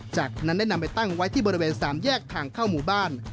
จากนั้นได้นำไปตั้งไว้ที่บริเวณสามแยกทางเข้าหมู่บ้าน